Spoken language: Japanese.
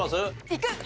いく！